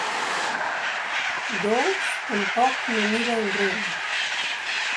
Dols tampoc no mira enrere.